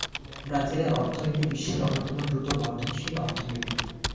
ব্রাজিলের অর্থনীতি বিশ্বের অন্যতম দ্রুত বর্ধনশীল অর্থনীতি।